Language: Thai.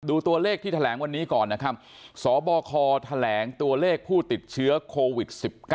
ตัวเลขที่แถลงวันนี้ก่อนนะครับสบคแถลงตัวเลขผู้ติดเชื้อโควิด๑๙